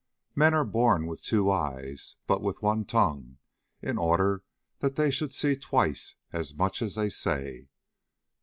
Men are born with two eyes, but with one tongue, in order that they should see twice as much as they say.